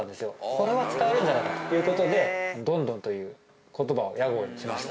これは使えるんじゃないかということで「どんどん」という言葉を屋号にしました。